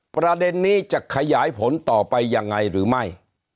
ประเด็นนี้จะขยายผลต่อไปยังไงหรือไม่